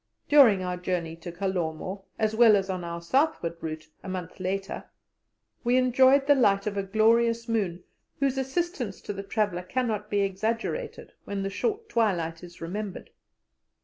During our journey to Kalomo, as well as on our southward route a month later, we enjoyed the light of a glorious moon, whose assistance to the traveller cannot be exaggerated when the short twilight is remembered.